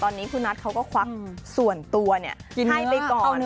ตอนนี้คุณนัทเขาก็ควักส่วนตัวให้ไปก่อน